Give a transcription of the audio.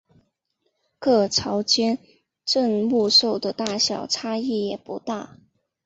各朝间镇墓兽的大小差异也不大。